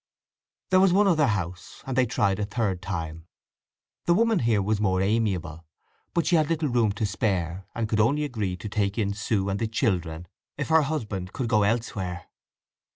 There was one other house, and they tried a third time. The woman here was more amiable; but she had little room to spare, and could only agree to take in Sue and the children if her husband could go elsewhere.